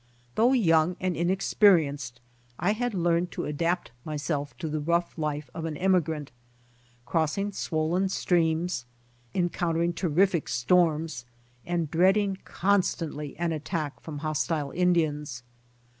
Though young and inexperienced, I had learned to adapt myself to the rough life of an emigrant, — crossing swollen streams, encountering terrific storms and dreading constantly an attack from hostile Indians.